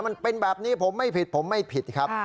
มันเป็นแบบนี้ผมไม่ผิดผมไม่ผิดครับ